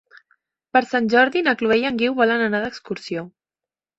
Per Sant Jordi na Chloé i en Guiu volen anar d'excursió.